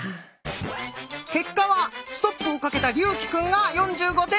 結果はストップをかけた竜暉くんが４５点。